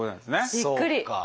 びっくり！